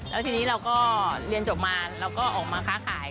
แล้วทีนี้เราก็เรียนจบมาเราก็ออกมาค้าขาย